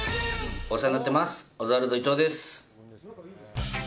お世話になっています。